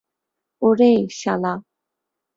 ওরে, শালা!